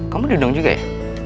kamu diundang juga ya